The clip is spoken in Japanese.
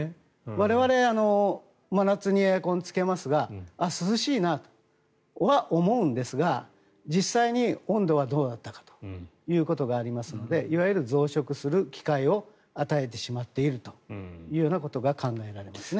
我々、真夏にエアコンをつけますが涼しいなとは思うんですが実際に温度はどうだったかということがありますのでいわゆる増殖する機会を与えてしまっているということが考えられますね。